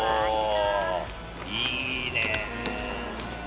いいねー。